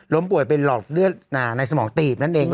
ป่วยเป็นหลอดเลือดในสมองตีบนั่นเอง